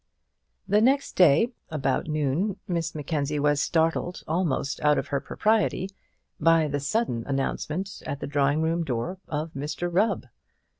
The next day, about noon, Miss Mackenzie was startled almost out of her propriety by the sudden announcement at the drawing room door of Mr Rubb.